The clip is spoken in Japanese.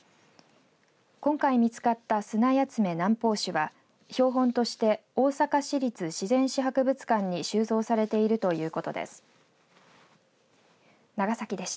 今回見つかったスナヤツメ南方種は標本として大阪市立自然史博物館に収蔵されているということです。